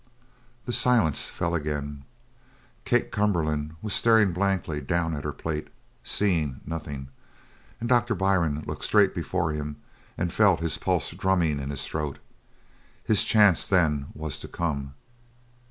The silence fell again. Kate Cumberland was staring blankly down at her plate, seeing nothing; and Doctor Byrne looked straight before him and felt the pulse drumming in his throat. His chance, then, was to come.